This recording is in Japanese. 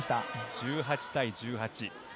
１８対１８。